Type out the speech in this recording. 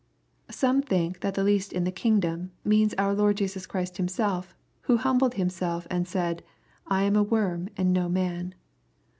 Some think, that the least in the kingdom," means our Lord Jesus Christ Himself who humbled Himself and said, "I am a worm and no man.